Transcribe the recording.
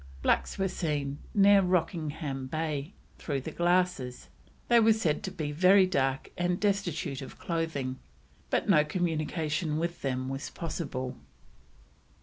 Blacks were seen, near Rockingham Bay, through the glasses; they were said to be very dark and destitute of clothing, but no communication with them was possible.